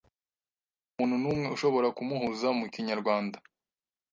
Ntamuntu numwe ushobora kumuhuza mukinyarwanda.